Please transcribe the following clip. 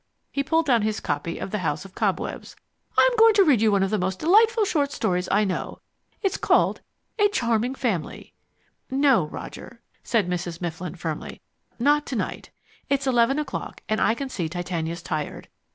He pulled down his copy of The House of Cobwebs. "I'm going to read you one of the most delightful short stories I know. It's called 'A Charming Family.'" "No, Roger," said Mrs. Mifflin firmly. "Not to night. It's eleven o'clock, and I can see Titania's tired.